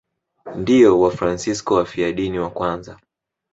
Ndio Wafransisko wafiadini wa kwanza.